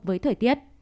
với thời tiết